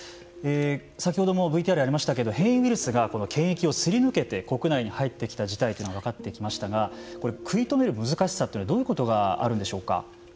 先ほどもＶＴＲにありましたけど変異ウイルスが検疫をすり抜けて国内に入ってきた事態というのが分かってきましたが食い止める難しさというのはどういうことがあるんでしょうか。